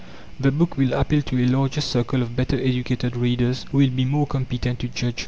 The book will appeal to a larger circle of better educated readers, who will be more competent to judge.